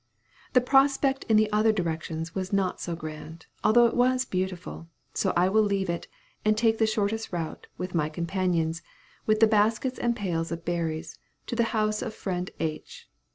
The prospect in the other directions was not so grand, although it was beautiful so I will leave it, and take the shortest route, with my companions, with the baskets and pails of berries, to the house of friend H.